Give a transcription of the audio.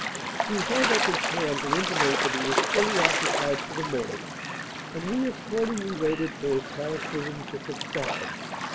He held up his hand to intimate that he was fully occupied for the moment, and we accordingly waited for his paroxysm to subside.